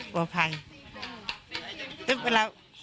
กลัวไพร